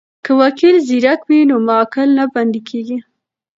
که وکیل زیرک وي نو موکل نه بندی کیږي.